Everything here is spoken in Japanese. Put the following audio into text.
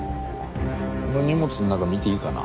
この荷物の中見ていいかな？